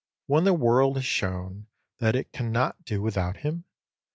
When the world has shown that it cannot do without him?